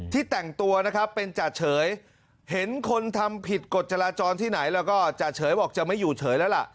แต่งตัวนะครับเป็นจ่าเฉยเห็นคนทำผิดกฎจราจรที่ไหนแล้วก็จ่าเฉยบอกจะไม่อยู่เฉยแล้วล่ะ